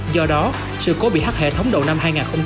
do đó sự cố bị hắt hệ thống đầu năm hai nghìn hai mươi hai